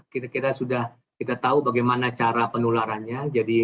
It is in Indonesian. kira kira sudah kita tahu bagaimana cara penularannya